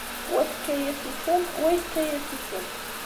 Wa tefka-as isem, wa yefka-as isem.